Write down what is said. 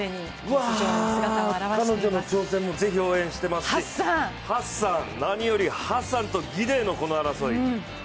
彼女の挑戦もぜひ応援してますしハッサン、何よりハッサンとギデイのこの争い。